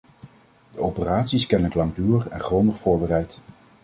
De operatie is kennelijk langdurig en grondig voorbereid.